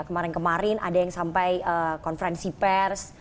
kemarin kemarin ada yang sampai konferensi pers